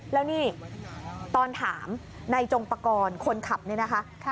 แล้วนี่ตอนถามในจงปกรณ์คนขับนี่นะคะ